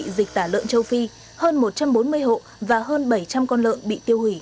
dịch tả lợn châu phi hơn một trăm bốn mươi hộ và hơn bảy trăm linh con lợn bị tiêu hủy